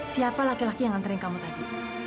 siapa laki laki yang nganterin kamu tadi